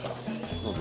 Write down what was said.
どうぞ。